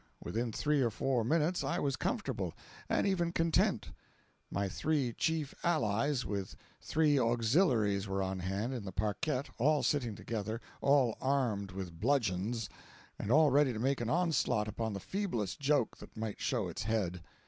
Within three or four minutes I was comfortable, and even content. My three chief allies, with three auxiliaries, were on hand, in the parquette, all sitting together, all armed with bludgeons, and all ready to make an onslaught upon the feeblest joke that might show its head.